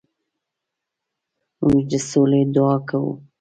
موږ د سولې دعا کوو.